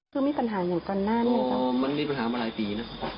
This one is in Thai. เพิ่มมีปัญหาอย่างก่อนหน้าเนี่ยเพราะอ๋อมันมีปัญหามาหลายปีนะ